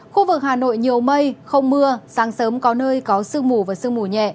khu vực hà nội nhiều mây không mưa sáng sớm có nơi có sương mù và sương mù nhẹ